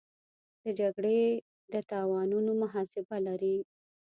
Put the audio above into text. د جګړې د تاوانونو محاسبه لري.